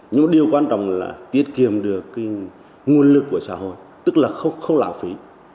nhưng điều quan trọng là tiết kiệm được nguồn lực của xã hội tức là không lão phí